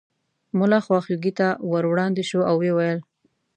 ملک خواخوږۍ ته ور وړاندې شو او یې وویل.